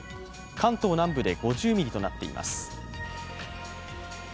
関東南部で５０ミリとなっています。